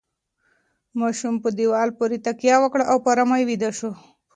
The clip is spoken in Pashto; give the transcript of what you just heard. ماشوم په دیوال پورې تکیه وکړه او په ارامۍ ویده شو.